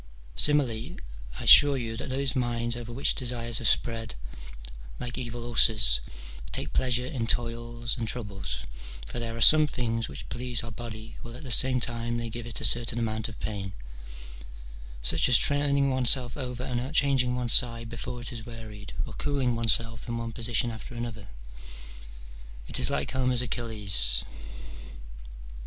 Similarly I assure you that these minds, over which desires have spread like evil ulcers, take plea sure in toils and troubles, for there are some things which please our body while at the same time they give it a certain amount of pain, such as turning oneself over and changing one's side before it is wearied, or cooling oneself in one position after another. It is like Homer's Achilles, s 258 MINOR DIALOGUES.